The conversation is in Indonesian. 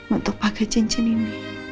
untuk pakai cincin ini